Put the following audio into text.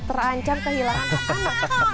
terancam kehilangan anak anak